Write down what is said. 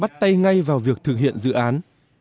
anh đã đặt tay ngay vào việc thực hiện dự án